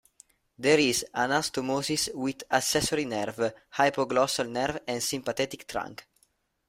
There is anastomosis with accessory nerve, hypoglossal nerve and sympathetic trunk.